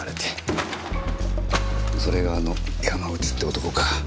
それがあの山内って男か。